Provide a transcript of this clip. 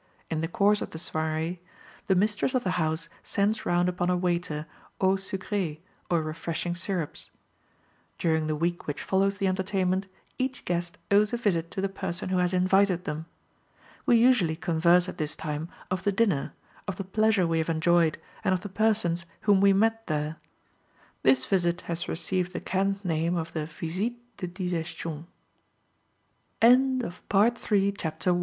In the course of the soirée, the mistress of the house sends round upon a waiter eau sucrée or refreshing syrups. During the week which follows the entertainment, each guest owes a visit to the person who has invited them. We usually converse at this time, of the dinner, of the pleasure we have enjoyed, and of the persons whom we met there. This visit has received the cant name of the visite de digestion. CHAPTER II.